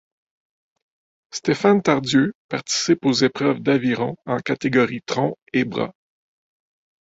Stéphane Tardieu participe aux épreuves d'aviron en catégorie tronc et bras.